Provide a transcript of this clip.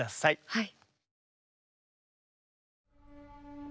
はい。